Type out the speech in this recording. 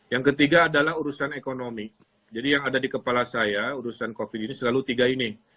yang ketiga adalah urusan ekonomi jadi yang ada di kepala saya urusan covid ini selalu tiga ini